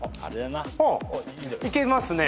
いけますね。